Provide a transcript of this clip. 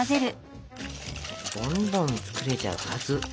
どんどん作れちゃうはず。